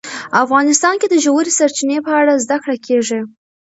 افغانستان کې د ژورې سرچینې په اړه زده کړه کېږي.